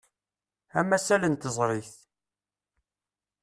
Amasal n teẓrigt.